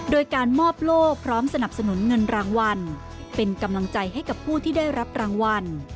โดยการมอบโลกพร้อมสนับสนุนเงินรางวัลเป็นกำลังใจให้กับผู้ที่ได้รับรางวัล